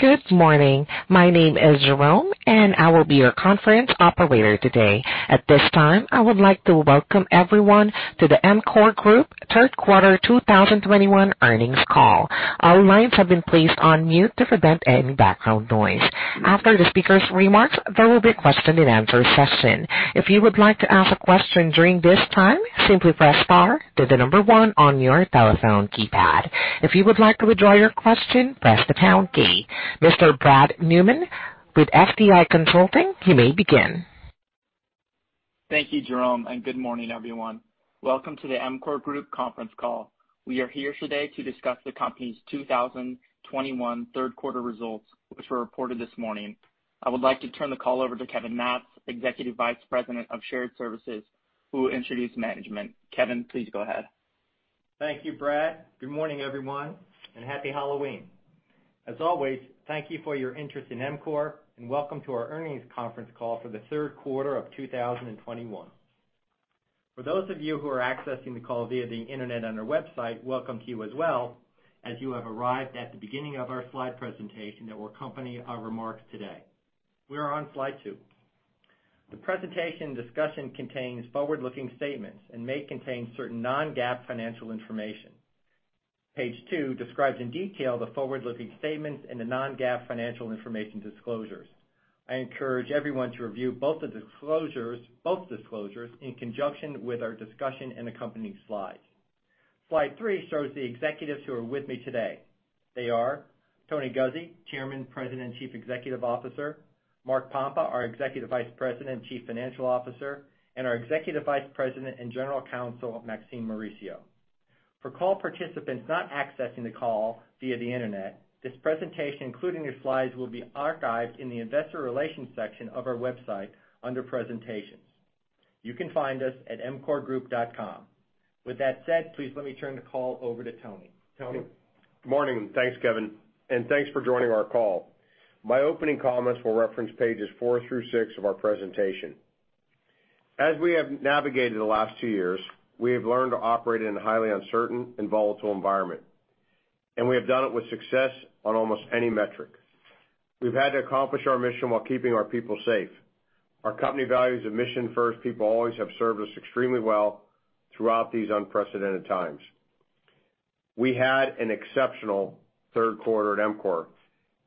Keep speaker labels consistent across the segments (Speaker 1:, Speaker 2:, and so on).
Speaker 1: Good morning. My name is Jerome, and I will be your conference operator today. At this time, I would like to welcome everyone to the EMCOR Group third quarter 2021 earnings call. All lines have been placed on mute to prevent any background noise. After the speaker's remarks, there will be a question and answer session. If you would like to ask a question during this time, simply press star, then one on your telephone keypad. If you would like to withdraw your question, press the pound key. Mr. Brad Newman with FTI Consulting, you may begin.
Speaker 2: Thank you, Jerome, and good morning, everyone. Welcome to the EMCOR Group conference call. We are here today to discuss the company's 2021 third quarter results, which were reported this morning. I would like to turn the call over to Kevin Matz, Executive Vice President of Shared Services, who will introduce management. Kevin, please go ahead.
Speaker 3: Thank you, Brad. Good morning, everyone, and happy Halloween. As always, thank you for your interest in EMCOR, and welcome to our earnings conference call for the third quarter of 2021. For those of you who are accessing the call via the Internet on our website, welcome to you as well, as you have arrived at the beginning of our slide presentation that will accompany our remarks today. We are on slide two. The presentation discussion contains forward-looking statements and may contain certain non-GAAP financial information. Page two describes in detail the forward-looking statements and the non-GAAP financial information disclosures. I encourage everyone to review both the disclosures in conjunction with our discussion and accompanying slides. Slide three shows the executives who are with me today. They are Tony Guzzi, Chairman, President, and Chief Executive Officer, Mark Pompa, our Executive Vice President and Chief Financial Officer, and our Executive Vice President and General Counsel, Maxine Mauricio. For call participants not accessing the call via the Internet, this presentation, including the slides, will be archived in the investor relations section of our website under presentations. You can find us at emcorgroup.com. With that said, please let me turn the call over to Tony. Tony?
Speaker 4: Good morning. Thanks, Kevin, and thanks for joining our call. My opening comments will reference pages four through six of our presentation. As we have navigated the last two years, we have learned to operate in a highly uncertain and volatile environment, and we have done it with success on almost any metric. We've had to accomplish our mission while keeping our people safe. Our company values of mission first, people always have served us extremely well throughout these unprecedented times. We had an exceptional third quarter at EMCOR,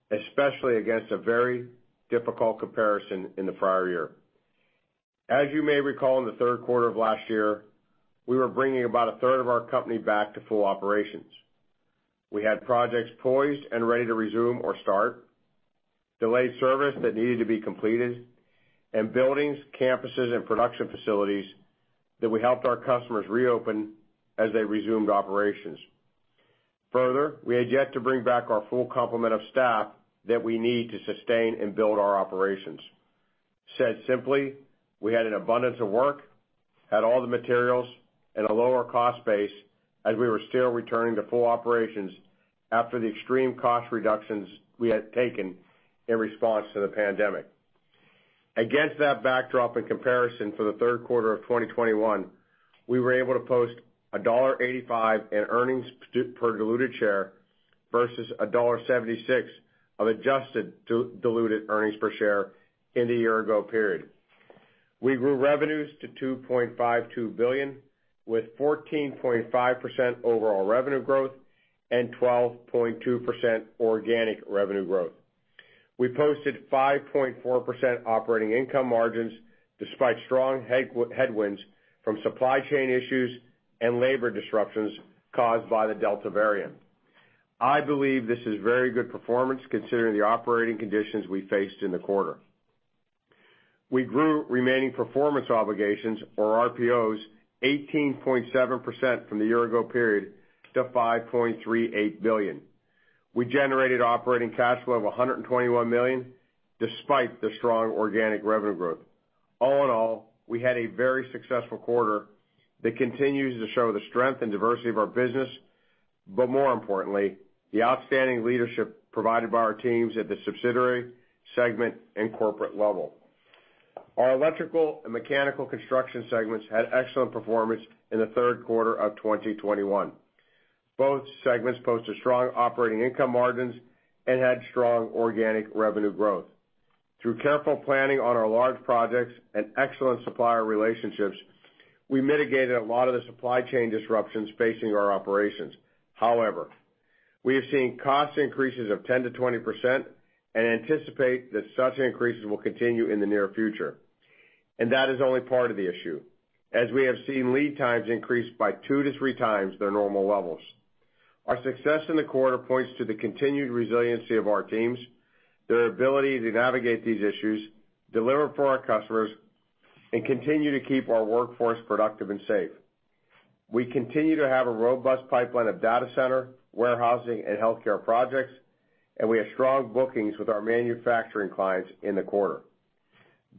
Speaker 4: especially against a very difficult comparison in the prior year. As you may recall, in the third quarter of last year, we were bringing about a third of our company back to full operations. We had projects poised and ready to resume or start, delayed service that needed to be completed, and buildings, campuses, and production facilities that we helped our customers reopen as they resumed operations. Further, we had yet to bring back our full complement of staff that we need to sustain and build our operations. Said simply, we had an abundance of work, had all the materials at a lower cost base as we were still returning to full operations after the extreme cost reductions we had taken in response to the pandemic. Against that backdrop, in comparison, for the third quarter of 2021, we were able to post $1.85 in earnings per diluted share versus $1.76 of adjusted diluted earnings per share in the year ago period. We grew revenues to $2.52 billion, with 14.5% overall revenue growth and 12.2% organic revenue growth. We posted 5.4% operating income margins despite strong headwinds from supply chain issues and labor disruptions caused by the Delta variant. I believe this is very good performance considering the operating conditions we faced in the quarter. We grew remaining performance obligations, or RPOs, 18.7% from the year ago period to $5.38 billion. We generated operating cash flow of $121 million despite the strong organic revenue growth. All in all, we had a very successful quarter that continues to show the strength and diversity of our business, but more importantly, the outstanding leadership provided by our teams at the subsidiary, segment, and corporate level. Our Electrical and Mechanical Construction segments had excellent performance in the third quarter of 2021. Both segments posted strong operating income margins and had strong organic revenue growth. Through careful planning on our large projects and excellent supplier relationships, we mitigated a lot of the supply chain disruptions facing our operations. However, we have seen cost increases of 10%-20% and anticipate that such increases will continue in the near future. That is only part of the issue, as we have seen lead times increase by 2x-3x their normal levels. Our success in the quarter points to the continued resiliency of our teams, their ability to navigate these issues, deliver for our customers, and continue to keep our workforce productive and safe. We continue to have a robust pipeline of data center, warehousing, and healthcare projects, and we have strong bookings with our manufacturing clients in the quarter.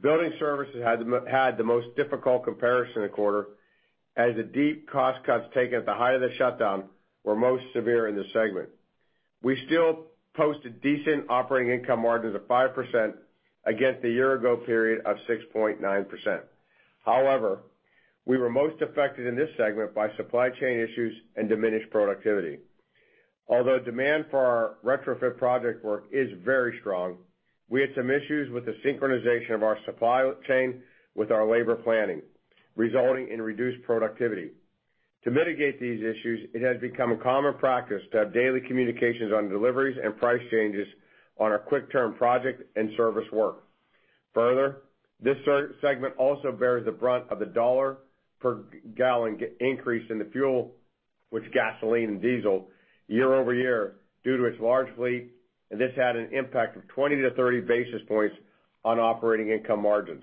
Speaker 4: Building services had the most difficult comparison in the quarter, as the deep cost cuts taken at the height of the shutdown were most severe in this segment. We still posted decent operating income margins of 5% against the year ago period of 6.9%. However, we were most affected in this segment by supply chain issues and diminished productivity. Although demand for our retrofit project work is very strong, we had some issues with the synchronization of our supply chain with our labor planning, resulting in reduced productivity. To mitigate these issues, it has become a common practice to have daily communications on deliveries and price changes on our quick-turn project and service work. Further, this segment also bears the brunt of the dollar per gallon increase in the fuel, which gasoline and diesel year-over-year due to its large fleet, and this had an impact of 20 basis points-30 basis points on operating income margins.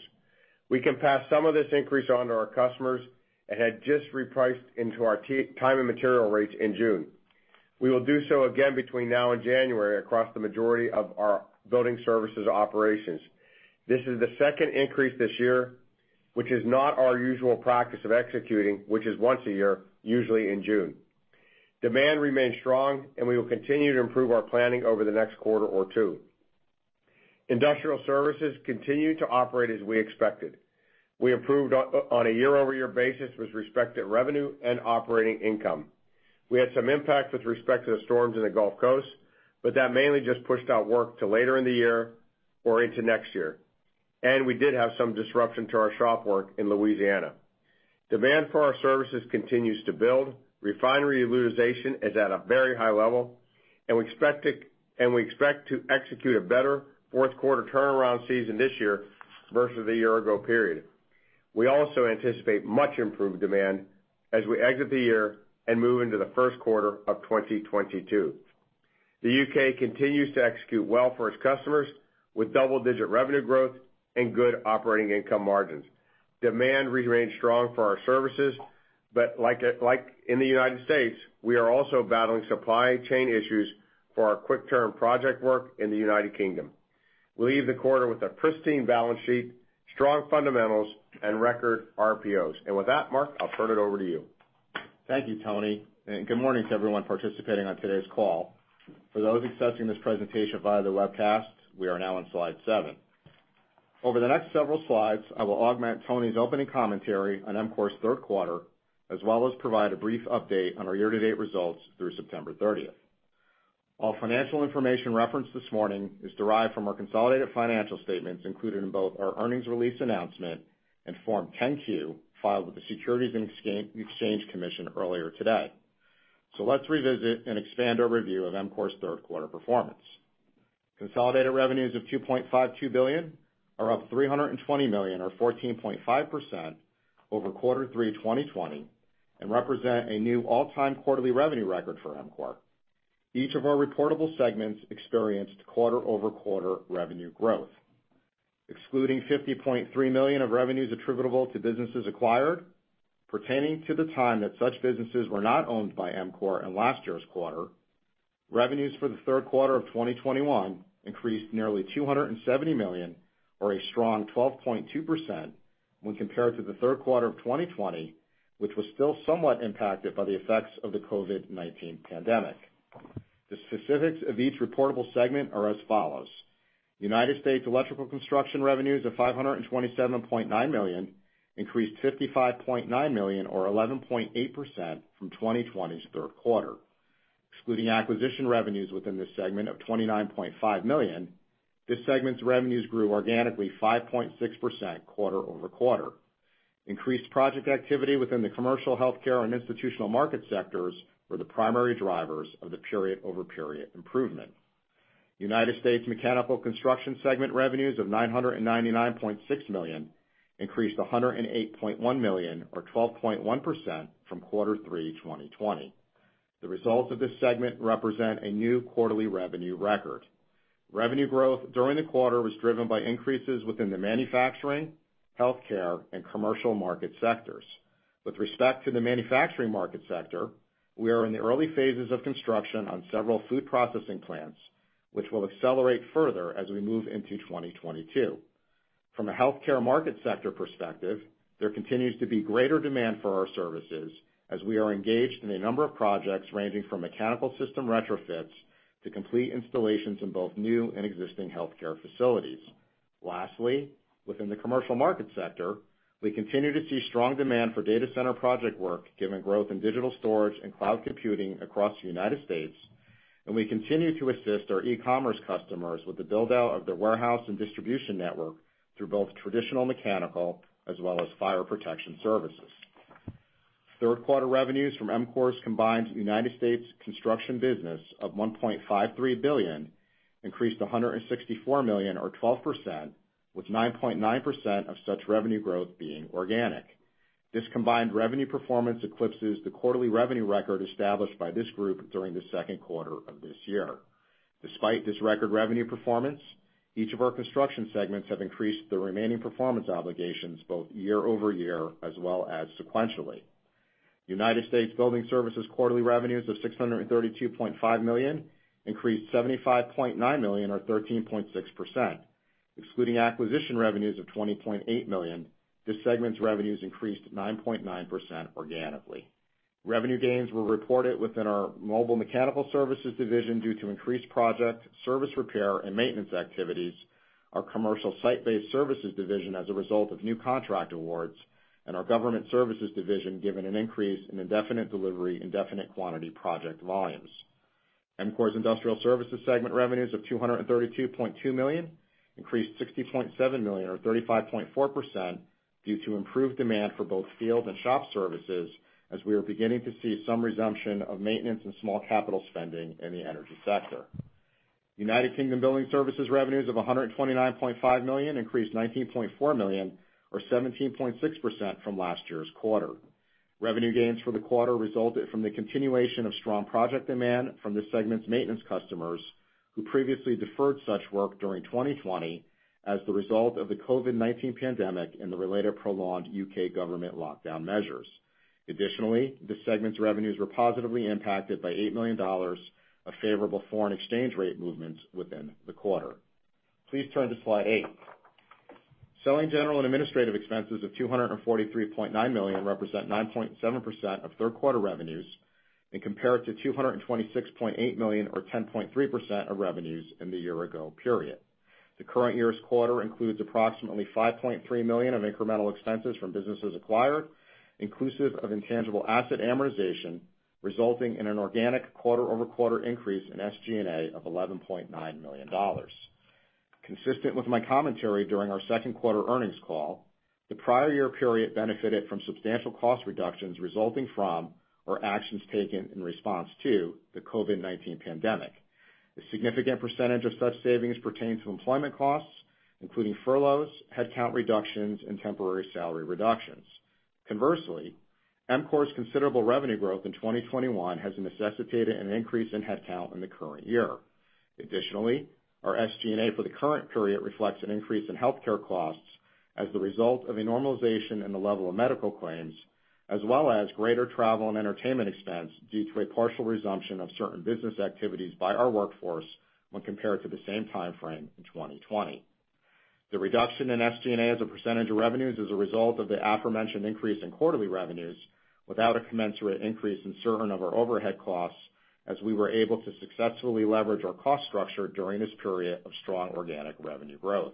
Speaker 4: We can pass some of this increase on to our customers and had just repriced into our time and material rates in June. We will do so again between now and January across the majority of our building services operations. This is the second increase this year, which is not our usual practice of executing, which is once a year, usually in June. Demand remains strong, and we will continue to improve our planning over the next quarter or two. Industrial Services continue to operate as we expected. We improved on a year-over-year basis with respect to revenue and operating income. We had some impact with respect to the storms in the Gulf Coast, but that mainly just pushed out work to later in the year or into next year, and we did have some disruption to our shop work in Louisiana. Demand for our services continues to build. Refinery utilization is at a very high level, and we expect to execute a better fourth quarter turnaround season this year versus the year ago period. We also anticipate much improved demand as we exit the year and move into the first quarter of 2022. The U.K. continues to execute well for its customers with double-digit revenue growth and good operating income margins. Demand remains strong for our services, but like in the United States, we are also battling supply chain issues for our quick-turn project work in the United Kingdom. We leave the quarter with a pristine balance sheet, strong fundamentals, and record RPOs. With that, Mark, I'll turn it over to you.
Speaker 5: Thank you, Tony. Good morning to everyone participating on today's call. For those accessing this presentation via the webcast, we are now on slide seven. Over the next several slides, I will augment Tony's opening commentary on EMCOR's third quarter, as well as provide a brief update on our year-to-date results through September 30. All financial information referenced this morning is derived from our consolidated financial statements included in both our earnings release announcement and Form 10-Q filed with the Securities and Exchange Commission earlier today. Let's revisit and expand our review of EMCOR's third quarter performance. Consolidated revenues of $2.52 billion are up $320 million or 14.5% over Q3 2020 and represent a new all-time quarterly revenue record for EMCOR. Each of our reportable segments experienced quarter-over-quarter revenue growth. Excluding $50.3 million of revenues attributable to businesses acquired, pertaining to the time that such businesses were not owned by EMCOR in last year's quarter, revenues for the third quarter of 2021 increased nearly $270 million or a strong 12.2% when compared to the third quarter of 2020, which was still somewhat impacted by the effects of the COVID-19 pandemic. The specifics of each reportable segment are as follows. United States Electrical Construction revenues of $527.9 million increased $55.9 million or 11.8% from 2020's third quarter. Excluding acquisition revenues within this segment of $29.5 million, this segment's revenues grew organically 5.6% quarter-over-quarter. Increased project activity within the commercial, healthcare, and institutional market sectors were the primary drivers of the period over period improvement. United States Mechanical Construction segment revenues of $999.6 million increased $108.1 million or 12.1% from Q3 2020. The results of this segment represent a new quarterly revenue record. Revenue growth during the quarter was driven by increases within the manufacturing, healthcare, and commercial market sectors. With respect to the manufacturing market sector, we are in the early phases of construction on several food processing plants, which will accelerate further as we move into 2022. From a healthcare market sector perspective, there continues to be greater demand for our services as we are engaged in a number of projects ranging from mechanical system retrofits to complete installations in both new and existing healthcare facilities. Lastly, within the commercial market sector, we continue to see strong demand for data center project work given growth in digital storage and cloud computing across the United States, and we continue to assist our e-commerce customers with the build-out of their warehouse and distribution network through both traditional mechanical as well as fire protection services. Third quarter revenues from EMCOR's combined United States construction business of $1.53 billion increased $164 million or 12% with 9.9% of such revenue growth being organic. This combined revenue performance eclipses the quarterly revenue record established by this group during the second quarter of this year. Despite this record revenue performance, each of our construction segments have increased their remaining performance obligations both year-over-year as well as sequentially. United States Building Services quarterly revenues of $632.5 million increased $75.9 million or 13.6%. Excluding acquisition revenues of $20.8 million, this segment's revenues increased 9.9% organically. Revenue gains were reported within our mobile mechanical services division due to increased project, service repair, and maintenance activities, our commercial site-based services division as a result of new contract awards, and our government services division, given an increase in indefinite delivery, indefinite quantity project volumes. EMCOR's industrial services segment revenues of $232.2 million increased $60.7 million or 35.4% due to improved demand for both field and shop services as we are beginning to see some resumption of maintenance and small capital spending in the energy sector. United Kingdom Building Services revenues of $129.5 million increased $19.4 million or 17.6% from last year's quarter. Revenue gains for the quarter resulted from the continuation of strong project demand from the segment's maintenance customers who previously deferred such work during 2020 as the result of the COVID-19 pandemic and the related prolonged U.K. government lockdown measures. Additionally, this segment's revenues were positively impacted by $8 million of favorable foreign exchange rate movements within the quarter. Please turn to slide eight. Selling, general, and administrative expenses of $243.9 million represent 9.7% of third quarter revenues and compared to $226.8 million or 10.3% of revenues in the year-ago period. The current year's quarter includes approximately $5.3 million of incremental expenses from businesses acquired, inclusive of intangible asset amortization, resulting in an organic quarter-over-quarter increase in SG&A of $11.9 million. Consistent with my commentary during our second quarter earnings call, the prior year period benefited from substantial cost reductions resulting from our actions taken in response to the COVID-19 pandemic. A significant percentage of such savings pertain to employment costs, including furloughs, headcount reductions and temporary salary reductions. Conversely, EMCOR's considerable revenue growth in 2021 has necessitated an increase in headcount in the current year. Additionally, our SG&A for the current period reflects an increase in healthcare costs as the result of a normalization in the level of medical claims, as well as greater travel and entertainment expense due to a partial resumption of certain business activities by our workforce when compared to the same timeframe in 2020. The reduction in SG&A as a percentage of revenues is a result of the aforementioned increase in quarterly revenues without a commensurate increase in certain of our overhead costs as we were able to successfully leverage our cost structure during this period of strong organic revenue growth.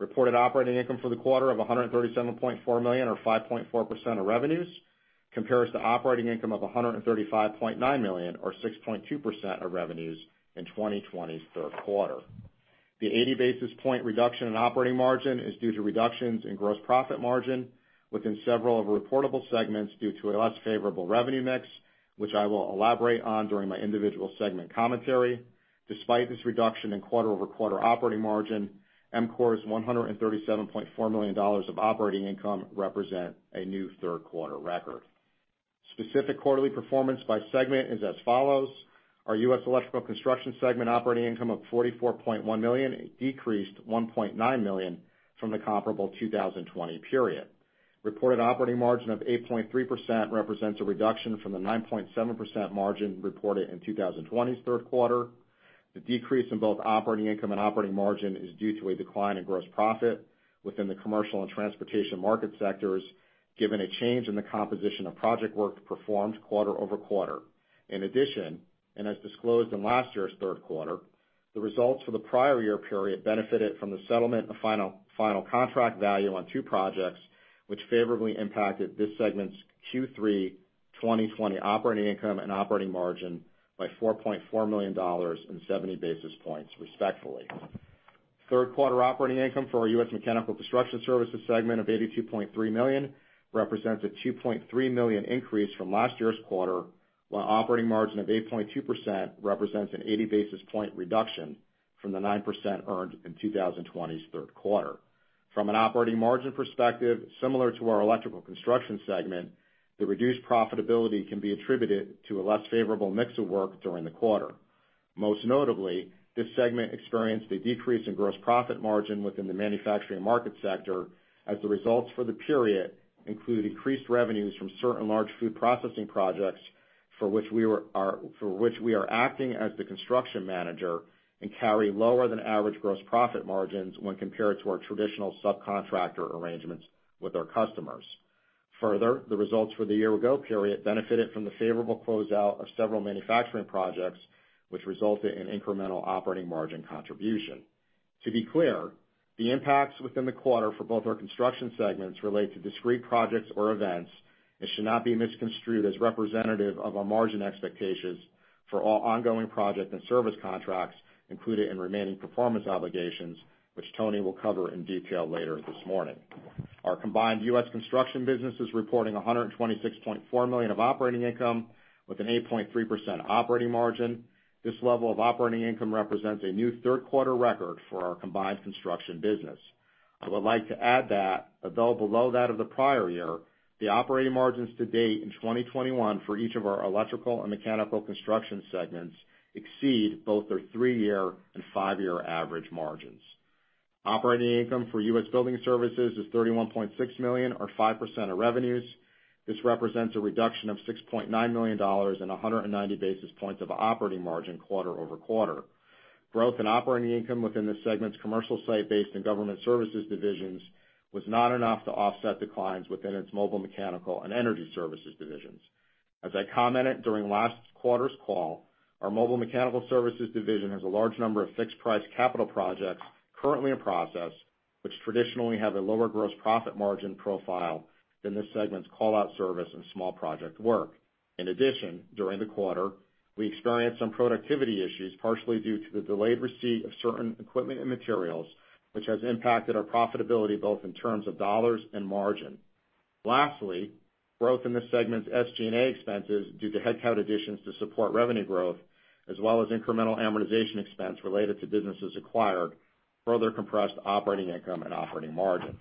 Speaker 5: Reported operating income for the quarter of $137.4 million or 5.4% of revenues compares to operating income of $135.9 million or 6.2% of revenues in 2020's third quarter. The 80 basis points reduction in operating margin is due to reductions in gross profit margin within several of our reportable segments due to a less favorable revenue mix, which I will elaborate on during my individual segment commentary. Despite this reduction in quarter-over-quarter operating margin, EMCOR's $137.4 million of operating income represent a new third quarter record. Specific quarterly performance by segment is as follows. Our U.S. Electrical Construction segment operating income of $44.1 million decreased $1.9 million from the comparable 2020 period. Reported operating margin of 8.3% represents a reduction from the 9.7% margin reported in 2020's third quarter. The decrease in both operating income and operating margin is due to a decline in gross profit within the commercial and transportation market sectors, given a change in the composition of project work performed quarter-over-quarter. In addition, as disclosed in last year's third quarter, the results for the prior year period benefited from the settlement of final contract value on two projects, which favorably impacted this segment's Q3 2020 operating income and operating margin by $4.4 million and 70 basis points, respectively. Third quarter operating income for our U.S. Mechanical Construction Services segment of $82.3 million represents a $2.3 million increase from last year's quarter, while operating margin of 8.2% represents an 80 basis points reduction from the 9% earned in 2020's third quarter. From an operating margin perspective, similar to our electrical construction segment, the reduced profitability can be attributed to a less favorable mix of work during the quarter. Most notably, this segment experienced a decrease in gross profit margin within the manufacturing market sector as the results for the period include increased revenues from certain large food processing projects for which we are acting as the construction manager and carry lower than average gross profit margins when compared to our traditional subcontractor arrangements with our customers. Further, the results for the year-ago period benefited from the favorable closeout of several manufacturing projects, which resulted in incremental operating margin contribution. To be clear, the impacts within the quarter for both our construction segments relate to discrete projects or events and should not be misconstrued as representative of our margin expectations for all ongoing project and service contracts included in remaining performance obligations, which Tony will cover in detail later this morning. Our combined U.S. construction business is reporting $126.4 million of operating income with an 8.3% operating margin. This level of operating income represents a new third quarter record for our combined construction business. I would like to add that although below that of the prior year, the operating margins to date in 2021 for each of our electrical and mechanical construction segments exceed both their three-year and five-year average margins. Operating income for U.S. building services is $31.6 million or 5% of revenues. This represents a reduction of $6.9 million and 190 basis points of operating margin quarter-over-quarter. Growth in operating income within this segment's commercial site-based and government services divisions was not enough to offset declines within its mobile mechanical and energy services divisions. As I commented during last quarter's call, our mobile mechanical services division has a large number of fixed price capital projects currently in process, which traditionally have a lower gross profit margin profile than this segment's call-out service and small project work. In addition, during the quarter, we experienced some productivity issues, partially due to the delayed receipt of certain equipment and materials, which has impacted our profitability, both in terms of dollars and margin. Lastly, growth in this segment's SG&A expenses due to headcount additions to support revenue growth, as well as incremental amortization expense related to businesses acquired, further compressed operating income and operating margin.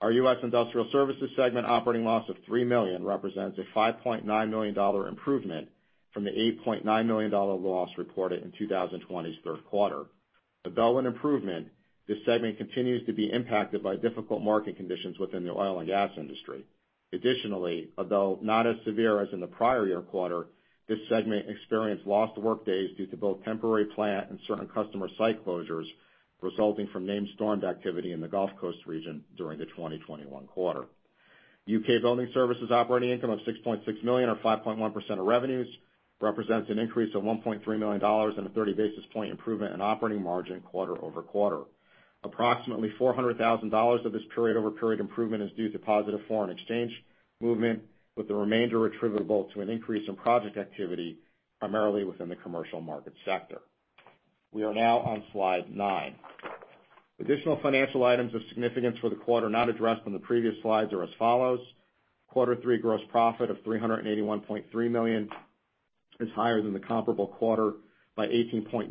Speaker 5: Our U.S. Industrial Services segment operating loss of $3 million represents a $5.9 million improvement from the $8.9 million loss reported in 2020's third quarter. Although an improvement, this segment continues to be impacted by difficult market conditions within the oil and gas industry. Additionally, although not as severe as in the prior year quarter, this segment experienced lost workdays due to both temporary plant and certain customer site closures resulting from named storm activity in the Gulf Coast region during the 2021 quarter. U.K. Building Services operating income of $6.6 million or 5.1% of revenues represents an increase of $1.3 million and a 30 basis point improvement in operating margin quarter-over-quarter. Approximately $400,000 of this period-over-period improvement is due to positive foreign exchange movement, with the remainder attributable to an increase in project activity, primarily within the commercial market sector. We are now on slide 9. Additional financial items of significance for the quarter not addressed on the previous slides are as follows. Q3 gross profit of $381.3 million is higher than the comparable quarter by $18.2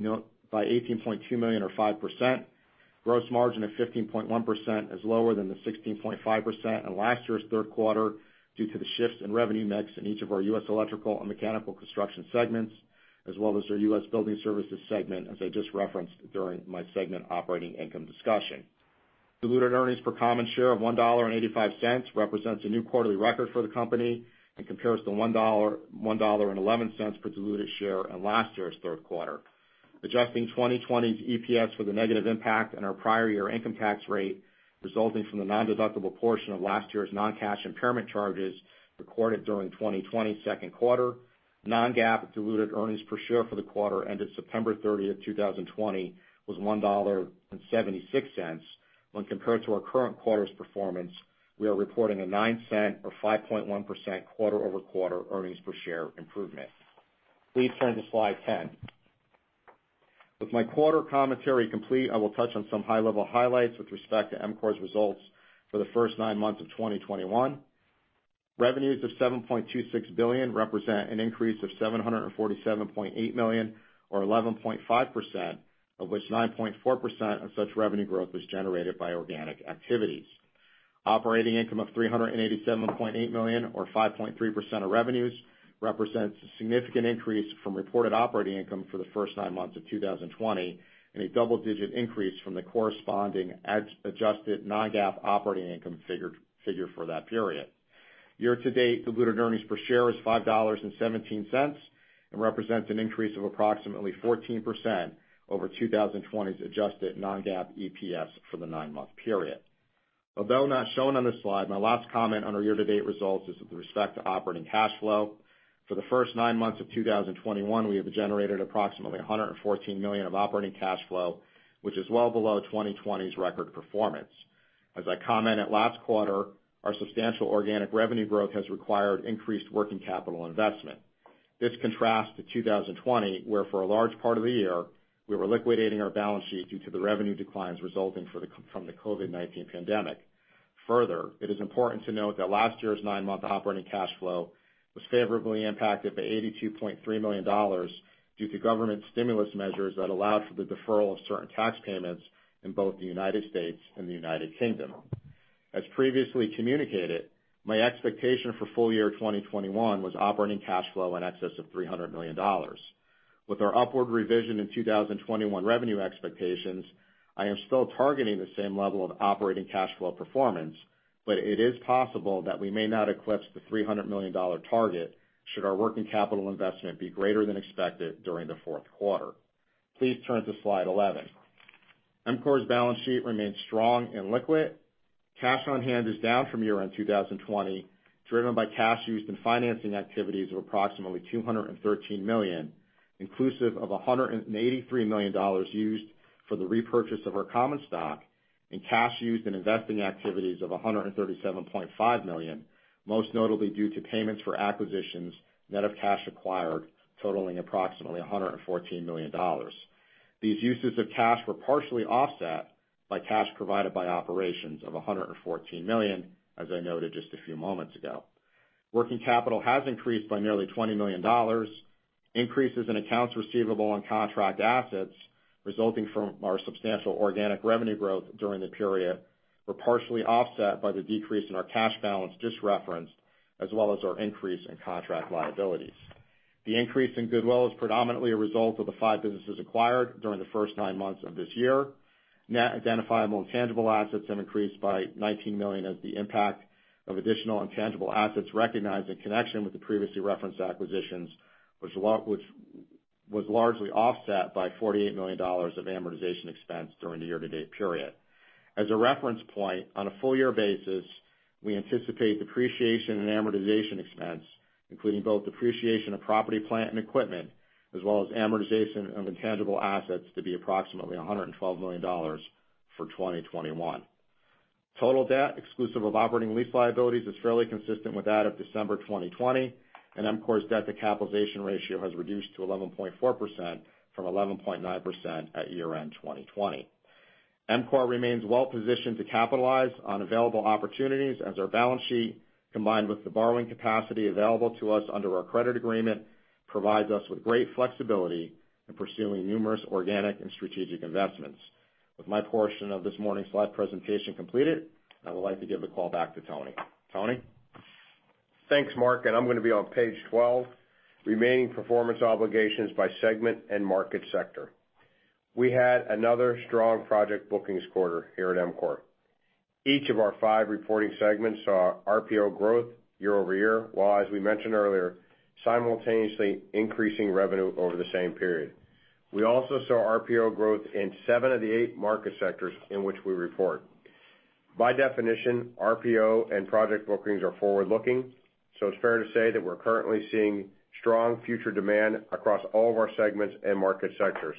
Speaker 5: million or 5%. Gross margin of 15.1% is lower than the 16.5% in last year's third quarter due to the shifts in revenue mix in each of our U.S. electrical and mechanical construction segments, as well as our U.S. Building Services segment, as I just referenced during my segment operating income discussion. Diluted earnings per common share of $1.85 represents a new quarterly record for the company and compares to $1.11 per diluted share in last year's third quarter. Adjusting 2020's EPS for the negative impact of our prior year income tax rate resulting from the nondeductible portion of last year's non-cash impairment charges recorded during 2020 second quarter, non-GAAP diluted earnings per share for the quarter ended September 30th, 2020 was $1.76. When compared to our current quarter's performance, we are reporting a $0.09 or 5.1% quarter-over-quarter earnings per share improvement. Please turn to slide 10. With my quarter commentary complete, I will touch on some high-level highlights with respect to EMCOR's results for the first nine months of 2021. Revenues of $7.26 billion represent an increase of $747.8 million or 11.5%, of which 9.4% of such revenue growth was generated by organic activities. Operating income of $387.8 million or 5.3% of revenues represents a significant increase from reported operating income for the first nine months of 2020 and a double-digit increase from the corresponding adjusted non-GAAP operating income figure for that period. Year-to-date diluted earnings per share is $5.17 and represents an increase of approximately 14% over 2020's adjusted non-GAAP EPS for the nine-month period. Although not shown on this slide, my last comment on our year-to-date results is with respect to operating cash flow. For the first nine months of 2021, we have generated approximately $114 million of operating cash flow, which is well below 2020's record performance. As I commented last quarter, our substantial organic revenue growth has required increased working capital investment. This contrasts to 2020, where for a large part of the year, we were liquidating our balance sheet due to the revenue declines resulting from the COVID-19 pandemic. Further, it is important to note that last year's nine-month operating cash flow was favorably impacted by $82.3 million due to government stimulus measures that allowed for the deferral of certain tax payments in both the United States and the United Kingdom. As previously communicated, my expectation for full year 2021 was operating cash flow in excess of $300 million. With our upward revision in 2021 revenue expectations, I am still targeting the same level of operating cash flow performance, but it is possible that we may not eclipse the $300 million target should our working capital investment be greater than expected during the fourth quarter. Please turn to slide 11. EMCOR's balance sheet remains strong and liquid. Cash on hand is down from year-end 2020, driven by cash used in financing activities of approximately $213 million, inclusive of $183 million used for the repurchase of our common stock and cash used in investing activities of $137.5 million, most notably due to payments for acquisitions net of cash acquired totaling approximately $114 million. These uses of cash were partially offset by cash provided by operations of $114 million, as I noted just a few moments ago. Working capital has increased by nearly $20 million. Increases in accounts receivable and contract assets resulting from our substantial organic revenue growth during the period were partially offset by the decrease in our cash balance just referenced, as well as our increase in contract liabilities. The increase in goodwill is predominantly a result of the five businesses acquired during the first nine months of this year. Net identifiable intangible assets have increased by $19 million as the impact of additional intangible assets recognized in connection with the previously referenced acquisitions, which was largely offset by $48 million of amortization expense during the year-to-date period. As a reference point, on a full year basis, we anticipate depreciation and amortization expense, including both depreciation of property, plant, and equipment, as well as amortization of intangible assets, to be approximately $112 million for 2021. Total debt exclusive of operating lease liabilities is fairly consistent with that of December 2020, and EMCOR's debt-to-capitalization ratio has reduced to 11.4% from 11.9% at year-end 2020. EMCOR remains well-positioned to capitalize on available opportunities as our balance sheet, combined with the borrowing capacity available to us under our credit agreement, provides us with great flexibility in pursuing numerous organic and strategic investments. With my portion of this morning's slide presentation completed, I would like to give the call back to Tony. Tony?
Speaker 4: Thanks, Mark. I'm gonna be on page 12, Remaining Performance Obligations by Segment and Market Sector. We had another strong project bookings quarter here at EMCOR. Each of our five reporting segments saw RPO growth year-over-year, while, as we mentioned earlier, simultaneously increasing revenue over the same period. We also saw RPO growth in seven of the eight market sectors in which we report. By definition, RPO and project bookings are forward-looking, so it's fair to say that we're currently seeing strong future demand across all of our segments and market sectors.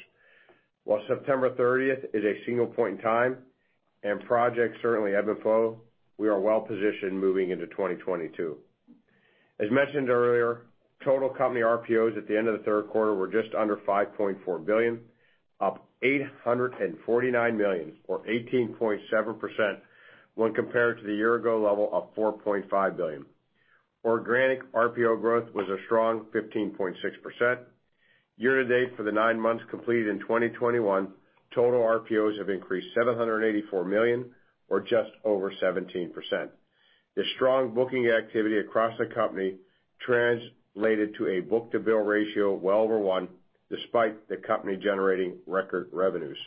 Speaker 4: While September 30th is a single point in time, and projects certainly ebb and flow, we are well-positioned moving into 2022. As mentioned earlier, total company RPOs at the end of the third quarter were just under $5.4 billion, up $849 million or 18.7% when compared to the year-ago level of $4.5 billion. Organic RPO growth was a strong 15.6%. Year-to-date for the nine months completed in 2021, total RPOs have increased $784 million or just over 17%. This strong booking activity across the company translated to a book-to-bill ratio well over one, despite the company generating record revenues.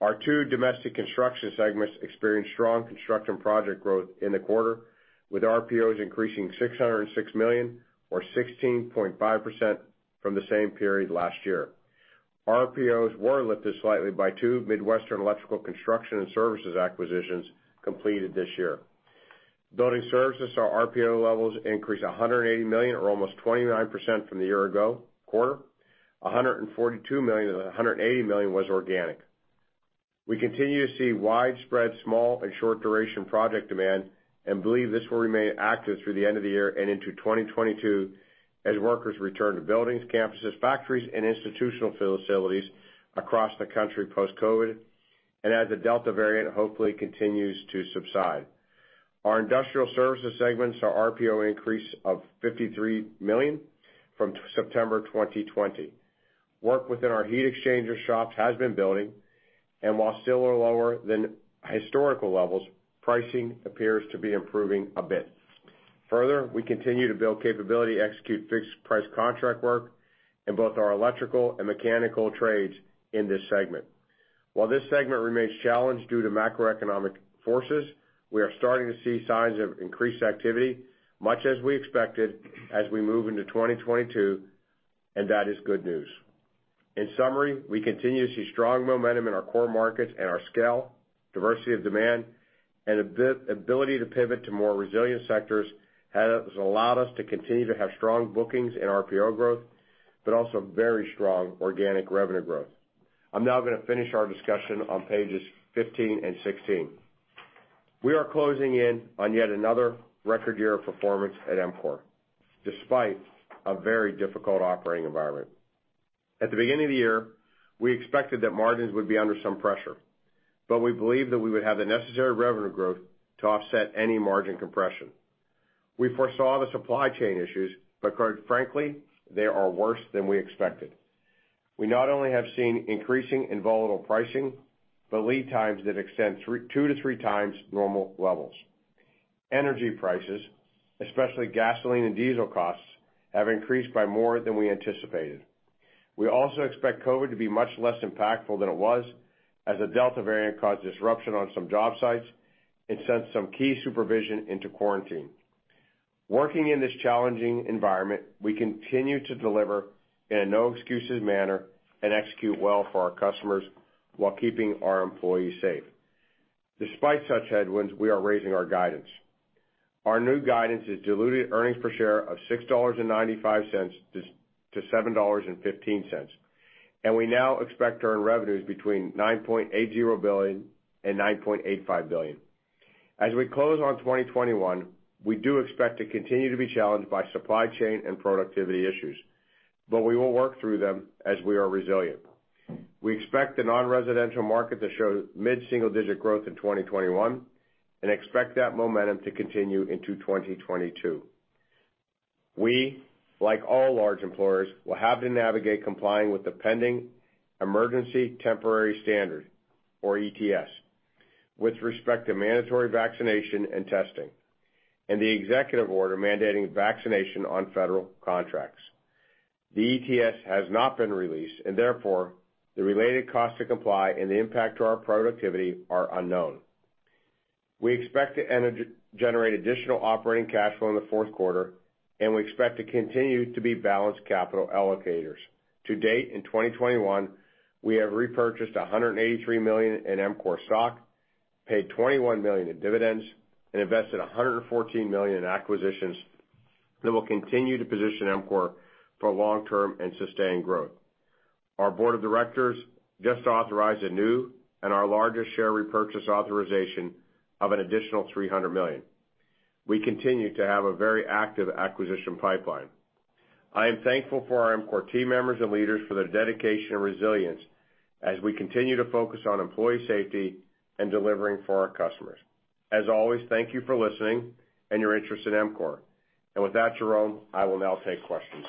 Speaker 4: Our two domestic construction segments experienced strong construction project growth in the quarter, with RPOs increasing $606 million or 16.5% from the same period last year. RPOs were lifted slightly by two Midwestern electrical construction and services acquisitions completed this year. Building services saw RPO levels increase $180 million or almost 29% from the year-ago quarter. $142 million of the $180 million was organic. We continue to see widespread small and short-duration project demand and believe this will remain active through the end of the year and into 2022 as workers return to buildings, campuses, factories, and institutional facilities across the country post-COVID, and as the Delta variant hopefully continues to subside. Our industrial services segments saw RPO increase of $53 million from September 2020. Work within our heat exchanger shops has been building, and while still are lower than historical levels, pricing appears to be improving a bit. Further, we continue to build capability to execute fixed-price contract work in both our electrical and mechanical trades in this segment. While this segment remains challenged due to macroeconomic forces, we are starting to see signs of increased activity, much as we expected as we move into 2022, and that is good news. In summary, we continue to see strong momentum in our core markets and our scale, diversity of demand, and ability to pivot to more resilient sectors has allowed us to continue to have strong bookings and RPO growth, but also very strong organic revenue growth. I'm now gonna finish our discussion on pages 15 and 16. We are closing in on yet another record year of performance at EMCOR, despite a very difficult operating environment. At the beginning of the year, we expected that margins would be under some pressure, but we believed that we would have the necessary revenue growth to offset any margin compression. We foresaw the supply chain issues, but quite frankly, they are worse than we expected. We not only have seen increasing and volatile pricing, but lead times that extend two to three times normal levels. Energy prices, especially gasoline and diesel costs, have increased by more than we anticipated. We also expect COVID to be much less impactful than it was, as the Delta variant caused disruption on some job sites and sent some key supervision into quarantine. Working in this challenging environment, we continue to deliver in a no-excuses manner and execute well for our customers while keeping our employees safe. Despite such headwinds, we are raising our guidance. Our new guidance is diluted earnings per share of $6.95 to $7.15, and we now expect to earn revenues between $9.80 billion and $9.85 billion. As we close on 2021, we do expect to continue to be challenged by supply chain and productivity issues, but we will work through them as we are resilient. We expect the non-residential market to show mid-single-digit growth in 2021 and expect that momentum to continue into 2022. We, like all large employers, will have to navigate complying with the pending Emergency Temporary Standard, or ETS, with respect to mandatory vaccination and testing and the executive order mandating vaccination on federal contracts. The ETS has not been released, and therefore, the related cost to comply and the impact to our productivity are unknown. We expect to generate additional operating cash flow in the fourth quarter, and we expect to continue to be balanced capital allocators. To date, in 2021, we have repurchased $183 million in EMCOR stock, paid $21 million in dividends, and invested $114 million in acquisitions that will continue to position EMCOR for long-term and sustained growth. Our board of directors just authorized a new and our largest share repurchase authorization of an additional $300 million. We continue to have a very active acquisition pipeline. I am thankful for our EMCOR team members and leaders for their dedication and resilience as we continue to focus on employee safety and delivering for our customers. As always, thank you for listening and your interest in EMCOR. With that, Jerome, I will now take questions.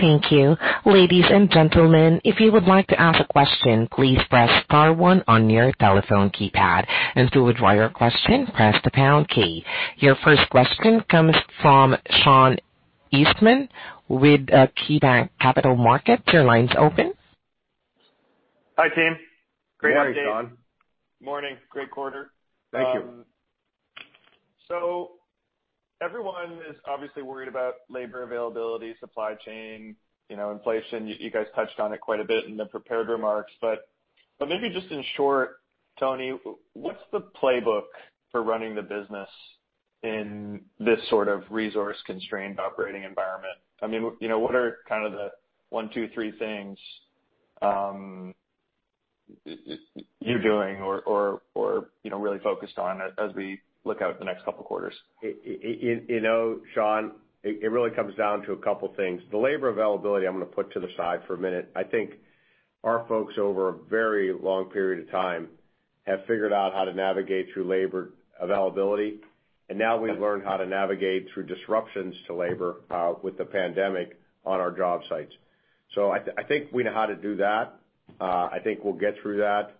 Speaker 1: Thank you. Ladies and gentlemen, if you would like to ask a question, please press star one on your telephone keypad. To withdraw your question, press the pound key. Your first question comes from Sean Eastman with KeyBanc Capital Markets. Your line's open.
Speaker 6: Hi, team. Great update.
Speaker 4: Morning, Sean.
Speaker 6: Morning. Great quarter.
Speaker 4: Thank you.
Speaker 6: Everyone is obviously worried about labor availability, supply chain, you know, inflation. You guys touched on it quite a bit in the prepared remarks. Maybe just in short, Tony, what's the playbook for running the business in this sort of resource-constrained operating environment? I mean, you know, what are kind of the one, two, three things you're doing or, you know, really focused on as we look out the next couple quarters?
Speaker 4: You know, Sean, it really comes down to a couple things. The labor availability, I'm gonna put to the side for a minute. I think our folks, over a very long period of time, have figured out how to navigate through labor availability. Now we've learned how to navigate through disruptions to labor with the pandemic on our job sites. I think we know how to do that. I think we'll get through that.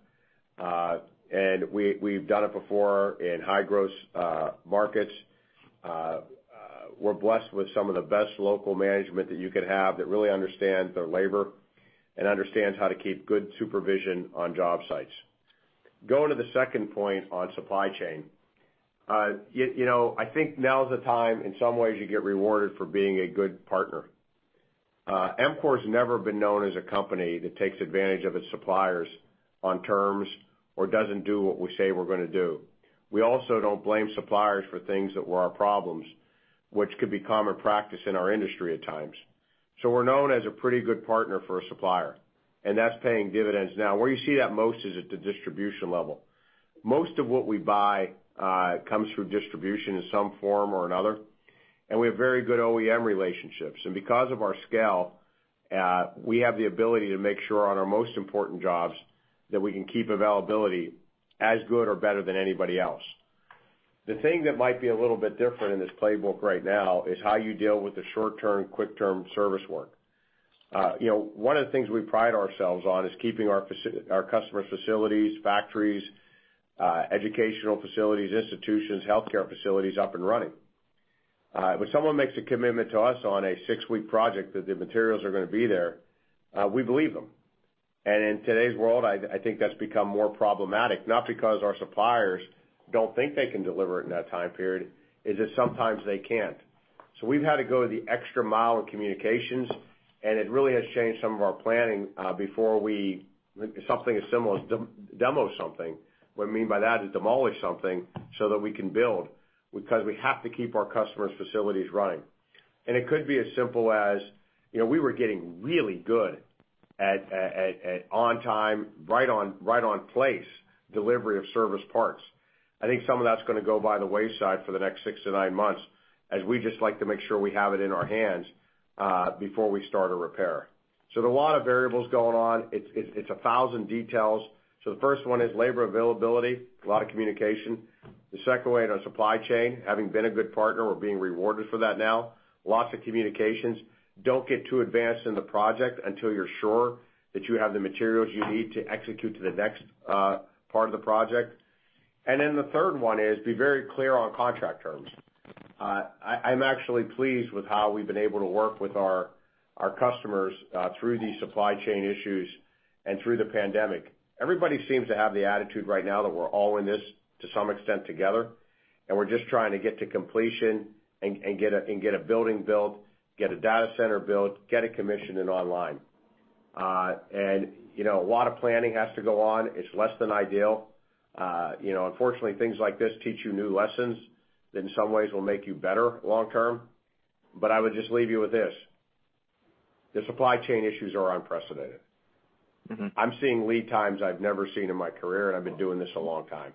Speaker 4: We've done it before in high-growth markets. We're blessed with some of the best local management that you could have that really understands their labor and understands how to keep good supervision on job sites. Going to the second point on supply chain. You know, I think now's the time, in some ways, you get rewarded for being a good partner. EMCOR's never been known as a company that takes advantage of its suppliers on terms or doesn't do what we say we're gonna do. We also don't blame suppliers for things that were our problems, which could be common practice in our industry at times. We're known as a pretty good partner for a supplier, and that's paying dividends now. Where you see that most is at the distribution level. Most of what we buy comes through distribution in some form or another, and we have very good OEM relationships. Because of our scale, we have the ability to make sure on our most important jobs that we can keep availability as good or better than anybody else. The thing that might be a little bit different in this playbook right now is how you deal with the short-term, quick-term service work. You know, one of the things we pride ourselves on is keeping our customers' facilities, factories, educational facilities, institutions, healthcare facilities up and running. When someone makes a commitment to us on a six-week project that the materials are gonna be there, we believe them. In today's world, I think that's become more problematic, not because our suppliers don't think they can deliver it in that time period, it's that sometimes they can't. We've had to go the extra mile in communications, and it really has changed some of our planning, something as simple as demo something. What I mean by that is demolish something so that we can build because we have to keep our customers' facilities running. It could be as simple as we were getting really good at on time, right on place delivery of service parts. I think some of that's gonna go by the wayside for the next six months-nine months as we just like to make sure we have it in our hands before we start a repair. There are a lot of variables going on. It's 1,000 details. The first one is labor availability, a lot of communication. The second way in our supply chain, having been a good partner, we're being rewarded for that now. Lots of communications. Don't get too advanced in the project until you're sure that you have the materials you need to execute to the next part of the project. Then the third one is be very clear on contract terms. I'm actually pleased with how we've been able to work with our customers through these supply chain issues and through the pandemic. Everybody seems to have the attitude right now that we're all in this to some extent together, and we're just trying to get to completion and get a building built, get a data center built, get it commissioned and online. You know, a lot of planning has to go on. It's less than ideal. You know, unfortunately, things like this teach you new lessons that in some ways will make you better long term. I would just leave you with this. The supply chain issues are unprecedented.
Speaker 6: Mm-hmm.
Speaker 4: I'm seeing lead times I've never seen in my career, and I've been doing this a long time.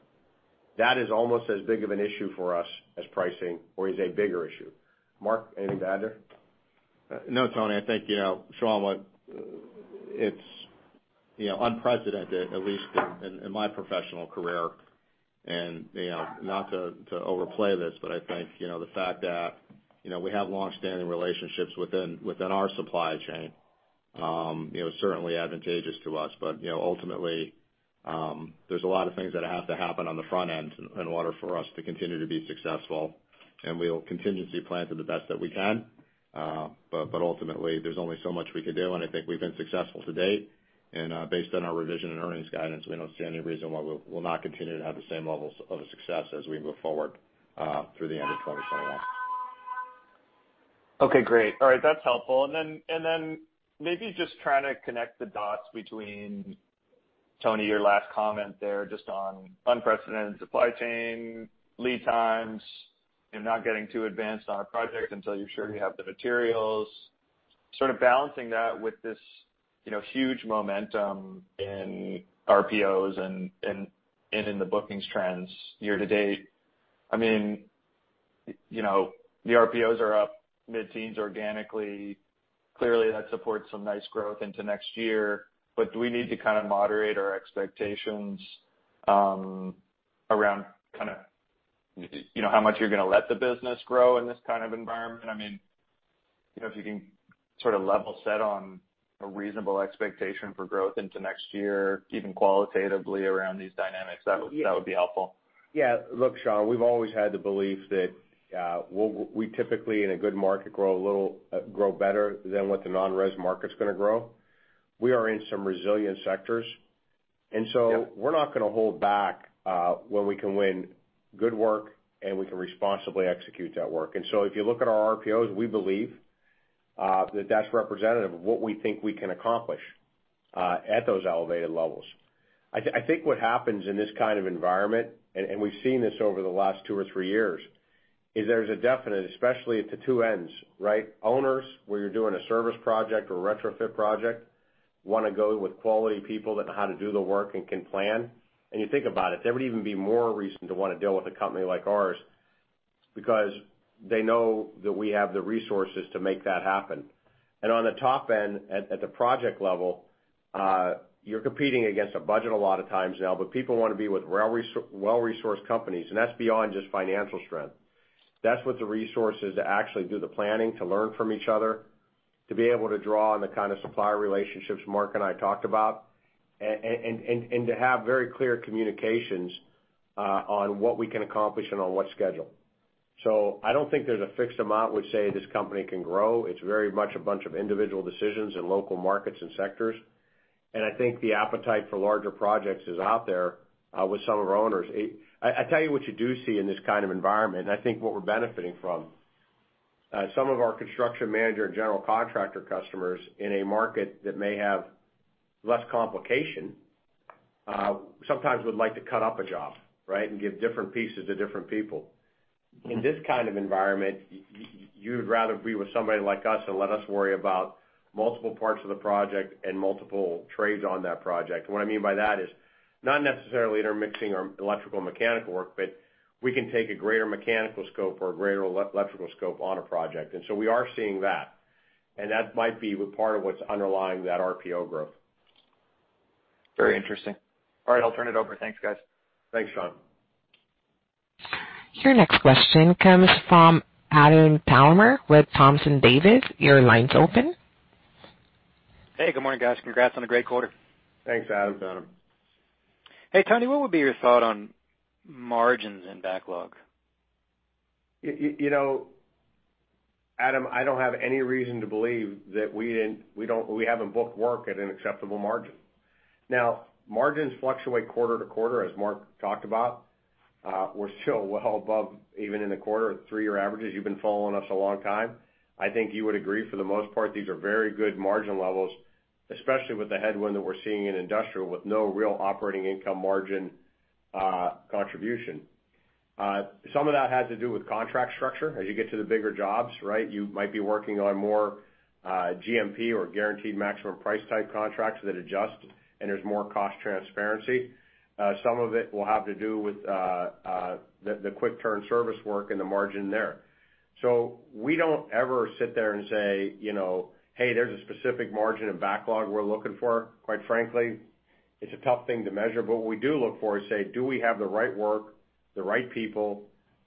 Speaker 4: That is almost as big of an issue for us as pricing or is a bigger issue. Mark, anything to add there?
Speaker 5: No, Tony. I think, you know, Sean, it's, you know, unprecedented, at least in my professional career. You know, not to overplay this, but I think, you know, the fact that, you know, we have longstanding relationships within our supply chain, you know, certainly advantageous to us. You know, ultimately, there's a lot of things that have to happen on the front end in order for us to continue to be successful, and we will contingency plan to the best that we can. Ultimately, there's only so much we could do, and I think we've been successful to date. Based on our revision and earnings guidance, we don't see any reason why we'll not continue to have the same levels of success as we move forward through the end of 2021.
Speaker 6: Okay, great. All right, that's helpful. Maybe just trying to connect the dots between, Tony, your last comment there just on unprecedented supply chain lead times and not getting too advanced on a project until you're sure you have the materials, sort of balancing that with this, you know, huge momentum in RPOs and in the bookings trends year to date. I mean, you know, the RPOs are up mid-teens organically. Clearly, that supports some nice growth into next year. Do we need to kinda moderate our expectations around kinda, you know, how much you're gonna let the business grow in this kind of environment? I mean, you know, if you can sort of level set on a reasonable expectation for growth into next year, even qualitatively around these dynamics, that would be helpful.
Speaker 4: Yeah. Look, Sean, we've always had the belief that we typically in a good market grow a little, grow better than what the non-res market's gonna grow. We are in some resilient sectors.
Speaker 6: Yeah.
Speaker 4: We're not gonna hold back when we can win good work, and we can responsibly execute that work. If you look at our RPOs, we believe that that's representative of what we think we can accomplish at those elevated levels. I think what happens in this kind of environment, and we've seen this over the last two or three years, is there's a definite, especially at the two ends, right? Owners, where you're doing a service project or retrofit project, wanna go with quality people that know how to do the work and can plan. You think about it, there would even be more reason to wanna deal with a company like ours because they know that we have the resources to make that happen. On the top end, at the project level, you're competing against a budget a lot of times now, but people wanna be with well-resourced companies, and that's beyond just financial strength. That's with the resources to actually do the planning, to learn from each other, to be able to draw on the kind of supplier relationships Mark and I talked about, and to have very clear communications, on what we can accomplish and on what schedule. I don't think there's a fixed amount we say this company can grow. It's very much a bunch of individual decisions in local markets and sectors. I think the appetite for larger projects is out there, with some of our owners. I tell you what you do see in this kind of environment, and I think what we're benefiting from, some of our construction manager and general contractor customers in a market that may have less complication, sometimes would like to cut up a job, right, and give different pieces to different people.
Speaker 6: Mm-hmm.
Speaker 4: In this kind of environment, you'd rather be with somebody like us and let us worry about multiple parts of the project and multiple trades on that project. What I mean by that is not necessarily intermixing our electrical and mechanical work, but we can take a greater mechanical scope or a greater electrical scope on a project. We are seeing that. That might be part of what's underlying that RPO growth.
Speaker 6: Very interesting. All right, I'll turn it over. Thanks, guys.
Speaker 4: Thanks, Sean.
Speaker 1: Your next question comes from Adam Thalhimer with Thompson Davis. Your line's open.
Speaker 7: Hey, good morning, guys. Congrats on a great quarter.
Speaker 4: Thanks, Adam.
Speaker 5: Thanks, Adam.
Speaker 8: Hey, Tony, what would be your thought on margins and backlog?
Speaker 4: You know, Adam, I don't have any reason to believe that we haven't booked work at an acceptable margin. Now, margins fluctuate quarter to quarter, as Mark talked about. We're still well above even in the quarter three-year averages. You've been following us a long time. I think you would agree, for the most part, these are very good margin levels, especially with the headwind that we're seeing in industrial with no real operating income margin contribution. Some of that has to do with contract structure. As you get to the bigger jobs, right, you might be working on more GMP or guaranteed maximum price type contracts that adjust, and there's more cost transparency. Some of it will have to do with the quick turn service work and the margin there. We don't ever sit there and say, you know, Hey, there's a specific margin and backlog we're looking for. Quite frankly, it's a tough thing to measure. What we do look for is say, do we have the right work, the right people,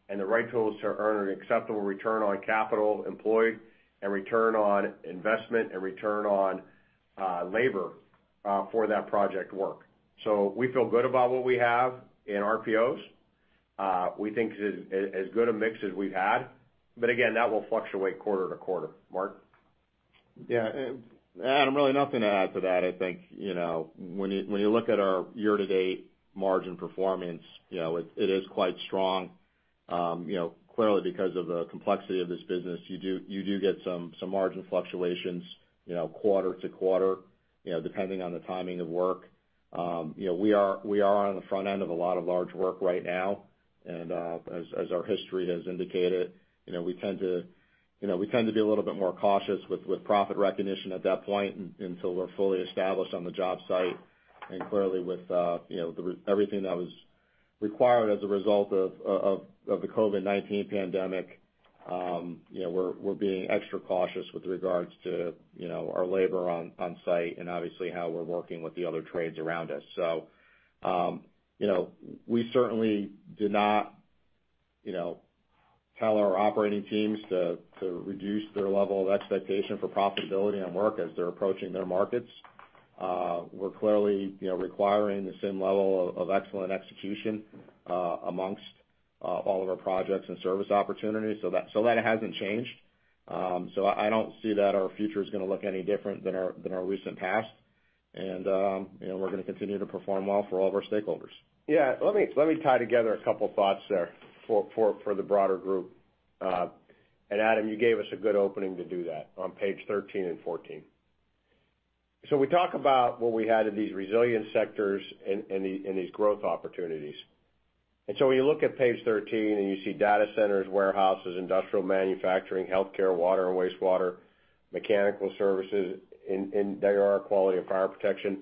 Speaker 4: and the right tools to earn an acceptable return on capital employed and return on investment and return on labor for that project work? We feel good about what we have in RPOs. We think this is as good a mix as we've had. Again, that will fluctuate quarter to quarter. Mark?
Speaker 5: Yeah. Adam, really nothing to add to that. I think, you know, when you look at our year-to-date margin performance, you know, it is quite strong. You know, clearly because of the complexity of this business, you do get some margin fluctuations, you know, quarter-to-quarter, you know, depending on the timing of work. You know, we are on the front end of a lot of large work right now. As our history has indicated, you know, we tend to be a little bit more cautious with profit recognition at that point until we're fully established on the job site. Clearly with you know everything that was required as a result of the COVID-19 pandemic, you know, we're being extra cautious with regards to you know our labor on site and obviously how we're working with the other trades around us. You know we certainly do not you know tell our operating teams to reduce their level of expectation for profitability on work as they're approaching their markets. We're clearly, you know, requiring the same level of excellent execution among all of our projects and service opportunities. That hasn't changed. I don't see that our future is gonna look any different than our recent past. You know, we're gonna continue to perform well for all of our stakeholders. Yeah. Let me tie together a couple thoughts there for the broader group. Adam, you gave us a good opening to do that on page 13 and 14. We talk about what we had in these resilient sectors and these growth opportunities. When you look at page 13, and you see data centers, warehouses, industrial manufacturing, healthcare, water and wastewater, mechanical services and fire protection.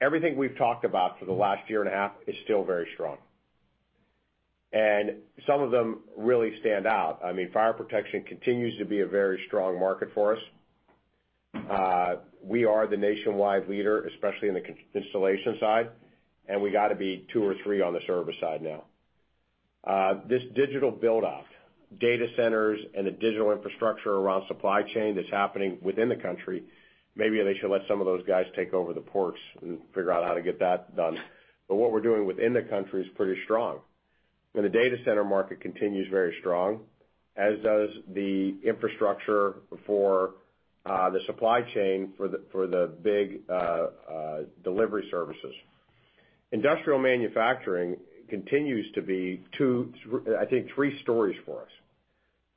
Speaker 4: Everything we've talked about for the last year and a half is still very strong. Some of them really stand out. I mean, fire protection continues to be a very strong market for us. We are the nationwide leader, especially in the installation side, and we gotta be two or three on the service side now. This digital buildup, data centers and the digital infrastructure around supply chain that's happening within the country, maybe they should let some of those guys take over the ports and figure out how to get that done. What we're doing within the country is pretty strong. The data center market continues very strong, as does the infrastructure for the supply chain for the big delivery services. Industrial manufacturing continues to be two, I think three stories for us.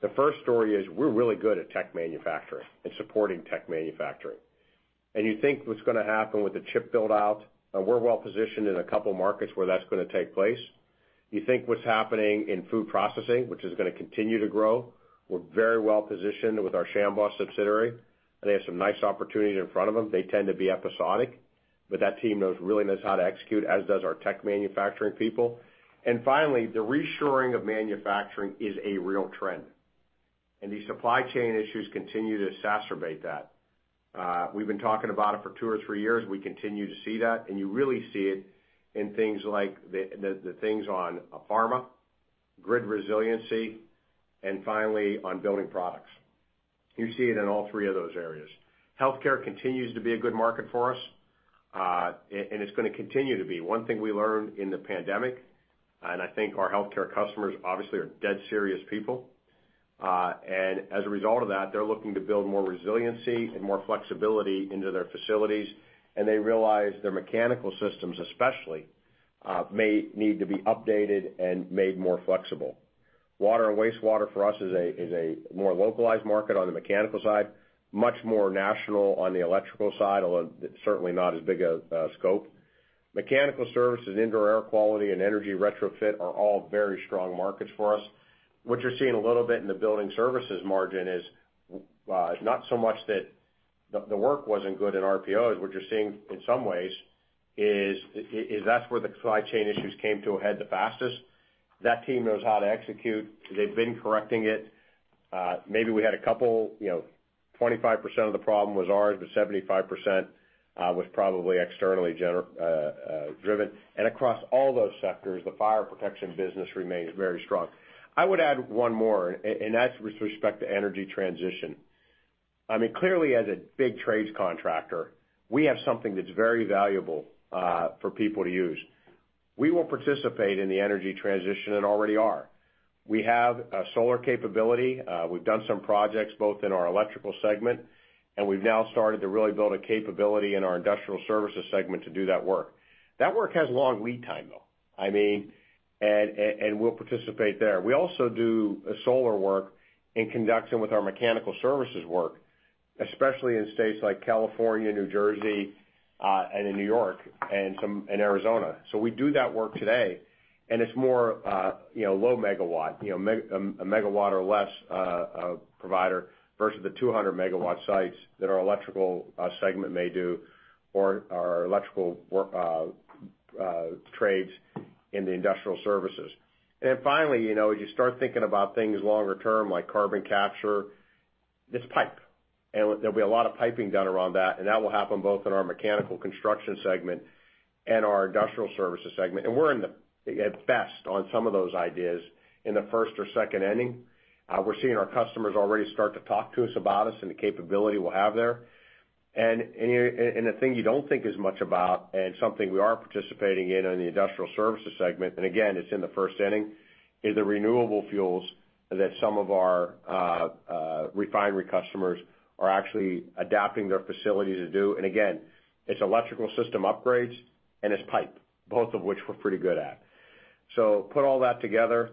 Speaker 4: The first story is we're really good at tech manufacturing and supporting tech manufacturing. You think what's gonna happen with the chip build out, and we're well positioned in a couple markets where that's gonna take place. You think what's happening in food processing, which is gonna continue to grow. We're very well positioned with our Shambaugh & Son subsidiary, and they have some nice opportunities in front of them. They tend to be episodic, but that team knows, really knows how to execute, as does our tech manufacturing people. Finally, the reshoring of manufacturing is a real trend. These supply chain issues continue to exacerbate that. We've been talking about it for two or three years. We continue to see that, and you really see it in things like the things on pharma, grid resiliency, and finally, on building products. You see it in all three of those areas. Healthcare continues to be a good market for us, and it's gonna continue to be. One thing we learned in the pandemic, and I think our healthcare customers obviously are dead serious people. As a result of that, they're looking to build more resiliency and more flexibility into their facilities, and they realize their mechanical systems especially may need to be updated and made more flexible. Water and wastewater for us is a more localized market on the mechanical side, much more national on the electrical side, although it's certainly not as big a scope. Mechanical services, indoor air quality, and energy retrofit are all very strong markets for us. What you're seeing a little bit in the building services margin is not so much that the work wasn't good at RPO. What you're seeing in some ways is that's where the supply chain issues came to a head the fastest. That team knows how to execute. They've been correcting it. Maybe we had a couple, you know, 25% of the problem was ours, but 75% was probably externally driven. Across all those sectors, the fire protection business remains very strong. I would add one more, and that's with respect to energy transition. I mean, clearly, as a big trades contractor, we have something that's very valuable for people to use. We will participate in the energy transition and already are. We have a solar capability. We've done some projects both in our electrical segment, and we've now started to really build a capability in our industrial services segment to do that work. That work has long lead time, though. I mean, we'll participate there. We also do solar work in conjunction with our mechanical services work, especially in states like California, New Jersey, and in New York and some in Arizona. We do that work today, and it's more, you know, low-megawatt. You know, a megawatt or less provider versus the 200 M W sites that our electrical segment may do or our electrical work trades in the industrial services. Then finally, you know, as you start thinking about things longer term, like carbon capture, it's pipe. There'll be a lot of piping done around that, and that will happen both in our Mechanical Construction segment and our Industrial Services segment. We're at best on some of those ideas in the first or second inning. We're seeing our customers already start to talk to us about us and the capability we'll have there. The thing you don't think as much about and something we are participating in the Industrial Services segment, and again, it's in the first inning, is the renewable fuels that some of our refinery customers are actually adapting their facility to do. Again, it's electrical system upgrades and it's piping, both of which we're pretty good at. Put all that together,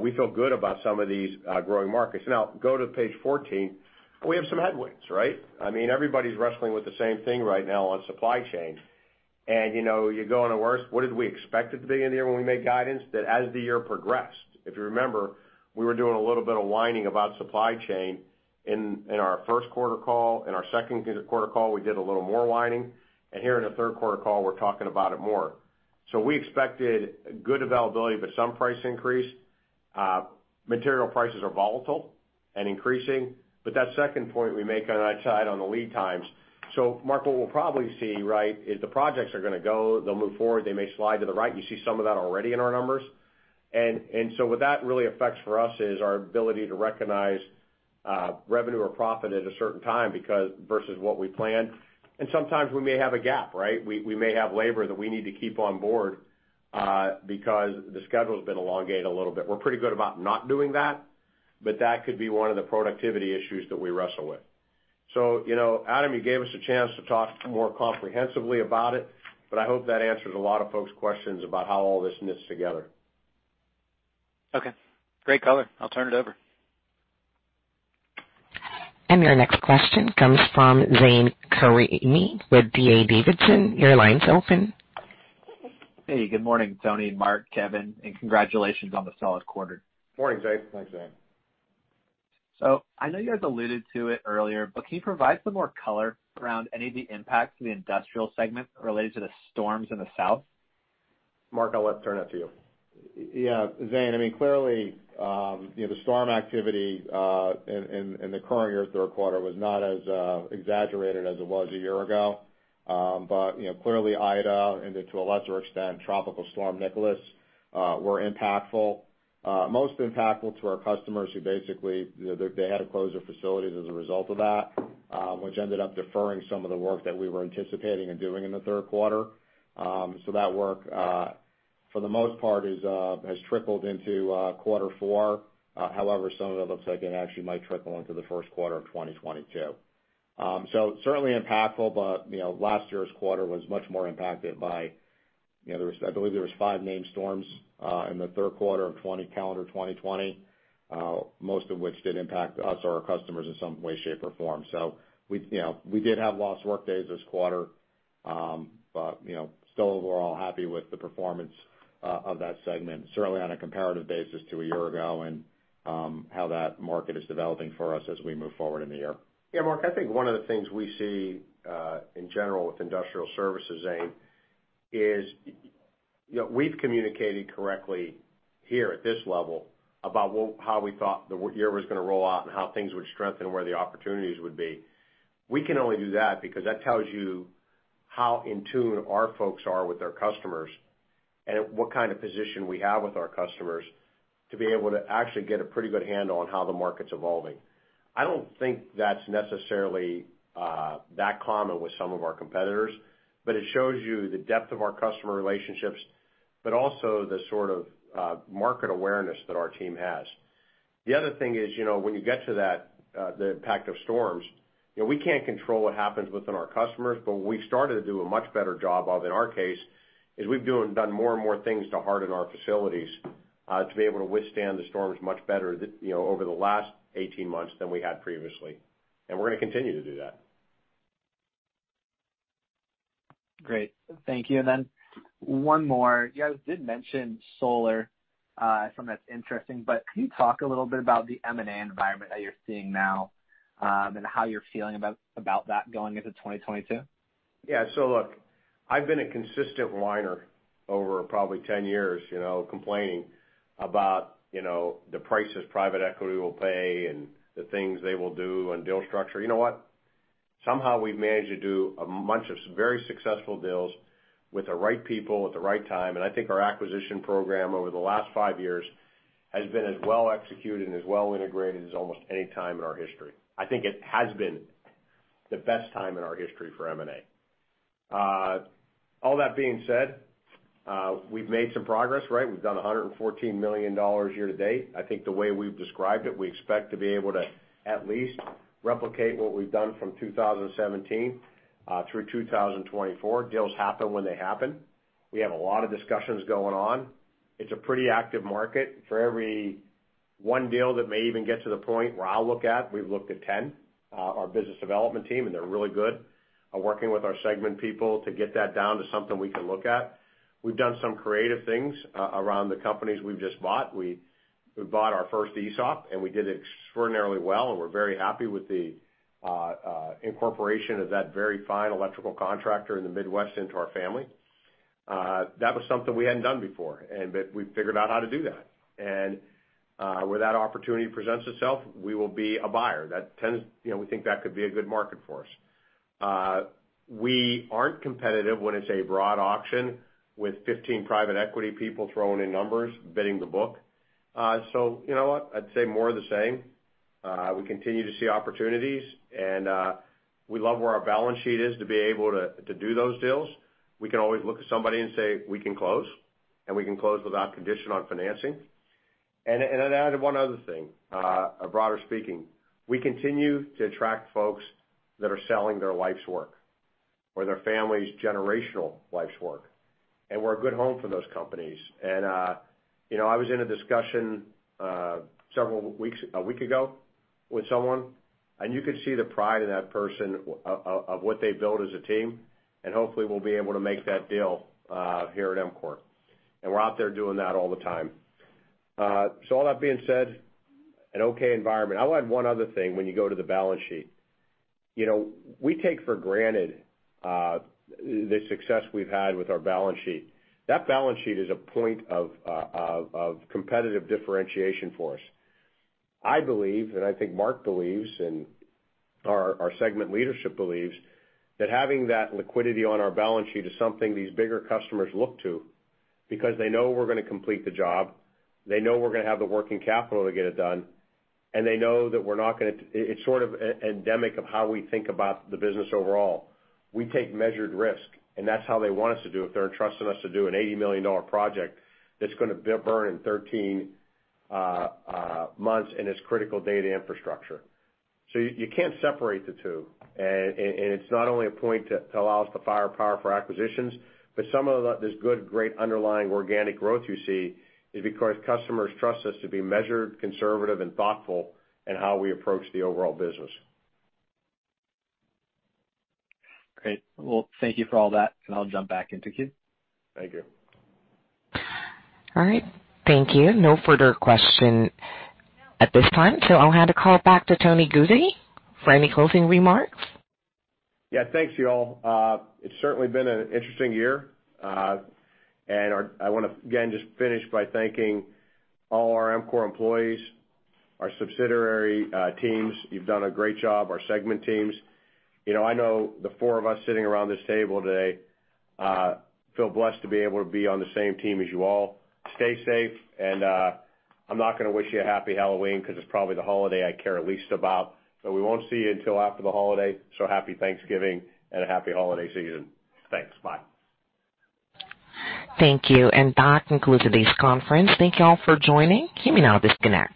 Speaker 4: we feel good about some of these growing markets. Now, go to page 14. We have some headwinds, right? I mean, everybody's wrestling with the same thing right now on supply chain. You know, you go on and worse. What did we expect at the beginning of the year when we made guidance? That as the year progressed, if you remember, we were doing a little bit of whining about supply chain in our first quarter call. In our second quarter call, we did a little more whining. Here in the third quarter call, we're talking about it more. We expected good availability, but some price increase. Material prices are volatile and increasing, but that second point we make on that side on the lead times. Mark, what we'll probably see, right, is the projects are gonna go, they'll move forward, they may slide to the right. You see some of that already in our numbers. What that really affects for us is our ability to recognize revenue or profit at a certain time because versus what we plan. Sometimes we may have a gap, right? We may have labor that we need to keep on board because the schedule has been elongated a little bit. We're pretty good about not doing that, but that could be one of the productivity issues that we wrestle with. You know, Adam, you gave us a chance to talk more comprehensively about it, but I hope that answers a lot of folks' questions about how all this knits together.
Speaker 7: Okay, great color. I'll turn it over.
Speaker 1: Your next question comes from Zane Karimi with D.A. Davidson. Your line's open.
Speaker 9: Hey, good morning, Tony, Mark, Kevin, and congratulations on the solid quarter.
Speaker 4: Morning, Zane.
Speaker 5: Thanks, Zane.
Speaker 10: I know you guys alluded to it earlier, but can you provide some more color around any of the impacts in the industrial segment related to the storms in the South?
Speaker 4: Mark, I'll turn it to you.
Speaker 5: Yeah. Zane, I mean, clearly, you know, the storm activity in the current year's third quarter was not as exaggerated as it was a year ago. You know, clearly Ida and then to a lesser extent, Tropical Storm Nicholas were impactful. Most impactful to our customers who basically they had to close their facilities as a result of that, which ended up deferring some of the work that we were anticipating and doing in the third quarter. That work for the most part has trickled into quarter four. However, some of it looks like it actually might trickle into the first quarter of 2022. Certainly impactful, but, you know, last year's quarter was much more impacted by, you know, there was, I believe, five named storms in the third quarter of 2020, calendar 2020, most of which did impact us or our customers in some way, shape, or form. We, you know, we did have lost workdays this quarter, but, you know, still overall happy with the performance of that segment, certainly on a comparative basis to a year ago and how that market is developing for us as we move forward in the year.
Speaker 4: Yeah, Mark, I think one of the things we see in general with industrial services, Zane, is you know, we've communicated correctly here at this level about how we thought the year was gonna roll out and how things would strengthen, where the opportunities would be. We can only do that because that tells you how in tune our folks are with their customers and what kind of position we have with our customers to be able to actually get a pretty good handle on how the market's evolving. I don't think that's necessarily that common with some of our competitors, but it shows you the depth of our customer relationships, but also the sort of market awareness that our team has. The other thing is, you know, when you get to that, the impact of storms, you know, we can't control what happens within our customers, but what we started to do a much better job of, in our case, is we've done more and more things to harden our facilities, to be able to withstand the storms much better you know, over the last 18 months than we had previously. We're gonna continue to do that.
Speaker 7: Great. Thank you. One more. You guys did mention solar, something that's interesting, but can you talk a little bit about the M&A environment that you're seeing now, and how you're feeling about that going into 2022?
Speaker 4: Look, I've been a consistent whiner over probably 10 years, you know, complaining about, you know, the prices private equity will pay and the things they will do and deal structure. You know what? Somehow we've managed to do a bunch of very successful deals with the right people at the right time. I think our acquisition program over the last five years has been as well executed and as well integrated as almost any time in our history. I think it has been the best time in our history for M&A. All that being said, we've made some progress, right? We've done $114 million year-to-date. I think the way we've described it, we expect to be able to at least replicate what we've done from 2017 through 2024. Deals happen when they happen. We have a lot of discussions going on. It's a pretty active market. For every one deal that may even get to the point where I'll look at, we've looked at 10, our business development team, and they're really good, are working with our segment people to get that down to something we can look at. We've done some creative things around the companies we've just bought. We bought our first ESOP, and we did extraordinarily well, and we're very happy with the incorporation of that very fine electrical contractor in the Midwest into our family. That was something we hadn't done before, but we figured out how to do that. Where that opportunity presents itself, we will be a buyer. That tends. You know, we think that could be a good market for us. We aren't competitive when it's a broad auction with 15 private equity people throwing in numbers, bidding the book. You know what? I'd say more of the same. We continue to see opportunities and we love where our balance sheet is to be able to do those deals. We can always look at somebody and say, we can close, and we can close without condition on financing. I'd add one other thing, broader speaking. We continue to attract folks that are selling their life's work or their family's generational life's work, and we're a good home for those companies. You know, I was in a discussion several weeks, a week ago with someone, and you could see the pride in that person of what they built as a team, and hopefully, we'll be able to make that deal here at EMCOR. We're out there doing that all the time. All that being said, an okay environment. I'll add one other thing when you go to the balance sheet. You know, we take for granted the success we've had with our balance sheet. That balance sheet is a point of competitive differentiation for us. I believe, and I think Mark believes, and our segment leadership believes, that having that liquidity on our balance sheet is something these bigger customers look to because they know we're gonna complete the job, they know we're gonna have the working capital to get it done, and they know that we're not gonna. It's sort of endemic of how we think about the business overall. We take measured risk, and that's how they want us to do if they're trusting us to do an $80 million project that's gonna burn in 13 months in this critical data infrastructure. You can't separate the two. It's not only a point to allow us to firepower for acquisitions, but this good, great underlying organic growth you see is because customers trust us to be measured, conservative, and thoughtful in how we approach the overall business.
Speaker 7: Great. Well, thank you for all that, and I'll jump back into queue.
Speaker 4: Thank you.
Speaker 1: All right. Thank you. No further question at this time, so I'll hand the call back to Tony Guzzi for any closing remarks.
Speaker 4: Yeah. Thanks, y'all. It's certainly been an interesting year. I wanna again just finish by thanking all our EMCOR employees, our subsidiary teams. You've done a great job, our segment teams. You know, I know the four of us sitting around this table today feel blessed to be able to be on the same team as you all. Stay safe, and I'm not gonna wish you a happy Halloween 'cause it's probably the holiday I care least about. We won't see you until after the holiday, so Happy Thanksgiving and a happy holiday season. Thanks. Bye.
Speaker 1: Thank you. That concludes today's conference. Thank you all for joining. You may now disconnect.